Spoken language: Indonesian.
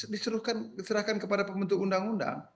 diserahkan kepada pembentuk undang undang